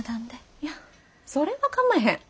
いやそれは構へん。